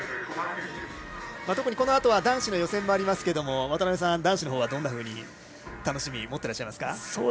特に、このあとは男子の予選もありますが渡辺さん、男子のほうはどんなふうな楽しみを持っていらっしゃいますか。